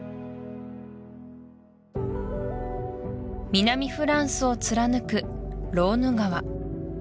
南フランスを貫くローヌ川